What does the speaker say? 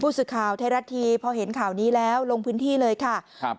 สื่อข่าวไทยรัฐทีวีพอเห็นข่าวนี้แล้วลงพื้นที่เลยค่ะครับ